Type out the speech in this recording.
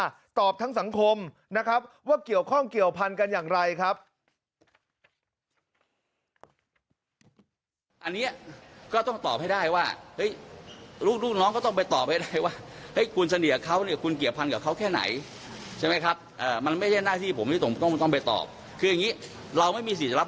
ตอบทั้งสังคมนะครับว่าเกี่ยวข้องเกี่ยวพันธุ์กันอย่างไรครับ